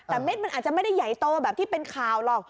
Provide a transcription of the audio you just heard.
แต่เม็ดมันอาจจะไม่ได้ใหญ่โตแบบที่เป็นข่าวหรอก